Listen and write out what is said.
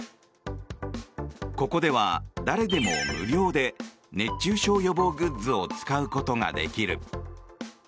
ここでは誰でも無料で熱中症予防グッズを使うことができる。